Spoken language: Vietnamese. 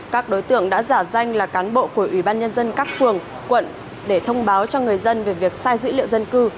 các đối tượng đã giả danh là cán bộ của ủy ban nhân dân các phường quận để thông báo cho người dân về việc sai dữ liệu dân cư